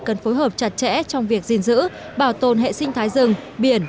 cần phối hợp chặt chẽ trong việc gìn giữ bảo tồn hệ sinh thái rừng biển